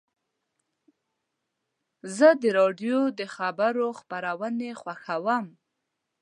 زه د راډیو د خبرو خپرونې خوښوم.